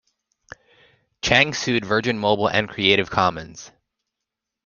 Chang sued Virgin Mobile and Creative Commons.